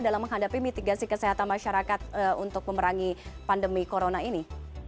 dalam menghadapi mitigasi kesehatan masyarakat untuk memerangi pandemi corona ini